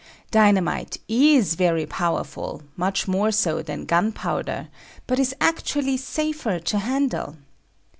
Dynamite is very powerful, much more so than gunpowder, but is actually safer to handle.